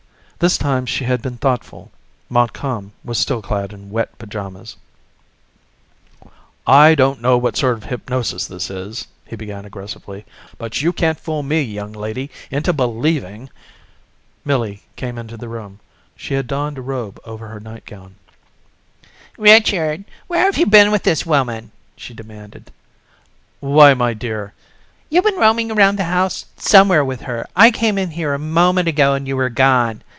This time she had been thoughtful. Montcalm was still clad in wet pajamas. "I don't know what sort of hypnosis this is," he began aggressively, "but you can't fool me, young lady, into believing ..."Millie came into the room. She had donned a robe over her nightgown. "Richard, where have you been with this woman?" she demanded. "Why, my dear ..." "You've been roaming around the house somewhere with her. I came in here a moment ago and you were gone.